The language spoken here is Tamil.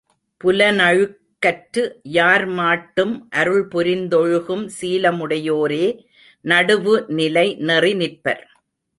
புலனழுக்கற்று யார்மாட்டும் அருள்புரிந்தொழுகும் சீலமுடையோரே நடுவுநிலை நெறி நிற்பர்.